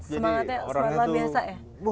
semangatnya luar biasa ya